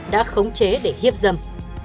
đã khống chế để hiếp dầm